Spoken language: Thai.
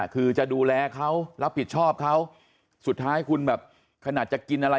คือจะดูแลเขารับผิดชอบเขาสุดท้ายคุณแบบขนาดจะกินอะไร